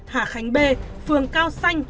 hà khánh b phường cao xanh